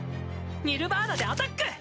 ニルヴァーナでアタック！